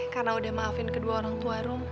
karena udah maafin kedua orang tua rum